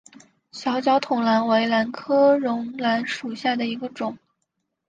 小脚筒兰为兰科绒兰属下的一个种。